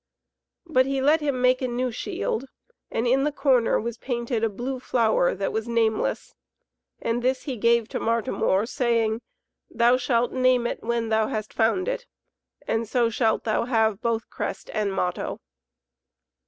So he let make a new shield, and in the corner was painted a Blue Flower that was nameless, and this he gave to Martimor, saying: "Thou shalt name it when thou hast found it, and so shalt thou have both crest and motto."